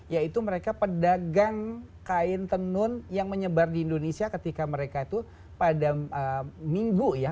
yaitu mereka pedagang kain tenun yang menyebar di indonesia ketika mereka itu pada minggu ya